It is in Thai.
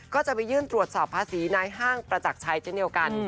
ก็จะไปยื่นตรวจสอบภาษีในห้างประจักรชัยเช่นเดียวกัน